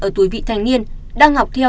ở tuổi vị thanh niên đang học theo